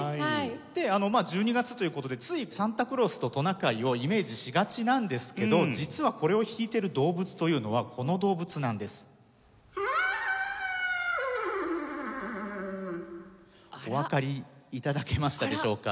で１２月という事でついサンタクロースとトナカイをイメージしがちなんですけど実はこれを引いてる動物というのはこの動物なんです。おわかり頂けましたでしょうか？